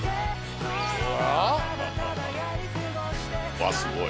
わっすごい。